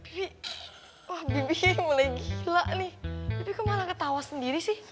bibi wah bibi mulai gila nih bibi kok malah ketawa sendiri sih